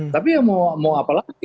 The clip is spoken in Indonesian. tapi mau apa lagi